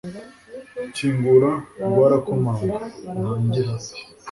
kingura ng'uwo arakomanga, ntagira